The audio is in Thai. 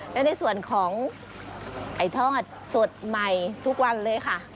และในส่วนของไก่ทอดสดใหม่ทุกวันเลยค่ะ